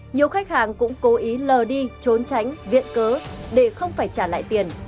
nhiều khách hàng cũng cố ý lờ đi trốn tránh viện cớ để không phải trả lại tiền